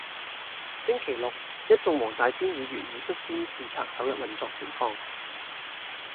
星期六一眾黃大仙區議員已率先視察首日運作情況